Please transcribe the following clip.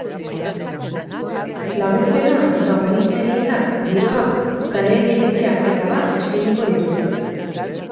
Laburpena, protagonisten hitzak, giroa, zaleen iritziak eta abar eskainiko dituzte.